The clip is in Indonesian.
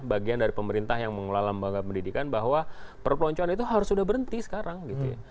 bagian dari pemerintah yang mengelola lembaga pendidikan bahwa perpeloncoan itu harus sudah berhenti sekarang gitu ya